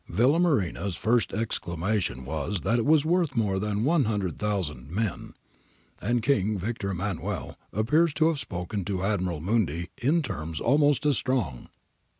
Villamarina's first ex clamation was that it was worth more than 100,000 men, and King Victor Emmanuel appears to have spoken to Admiral Mundy in terms almost as strong.'